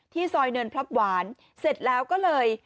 ซอยเนินพลับหวานเสร็จแล้วก็เลย